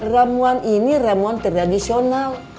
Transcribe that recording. ramuan ini ramuan tradisional